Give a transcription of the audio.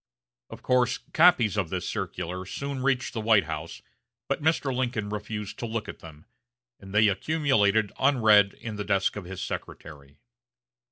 Of course copies of this circular soon reached the White House, but Mr. Lincoln refused to look at them, and they accumulated unread in the desk of his secretary.